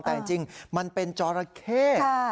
แต่จริงมันเป็นจรัคร